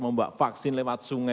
membawa vaksin lewat sungai